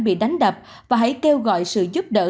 bị đánh đập và hãy kêu gọi sự giúp đỡ